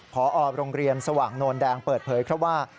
พอรมสว่างโนลแดงเปิดเผยเข้าว่า